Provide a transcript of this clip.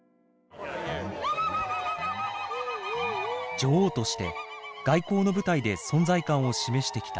女王として外交の舞台で存在感を示してきたエリザベス。